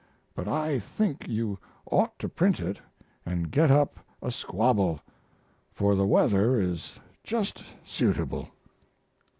But I think you ought to print it and get up a squabble, for the weather is just suitable.